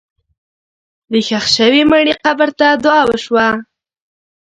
د ښخ شوي مړي قبر ته دعا وشوه.